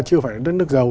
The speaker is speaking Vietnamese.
chưa phải là đất nước giàu